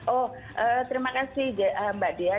oh terima kasih mbak dea